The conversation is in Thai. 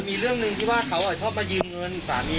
ตั้งแต่เขาไม่เคยเล่าให้